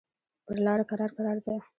پر لاره کرار کرار ځه.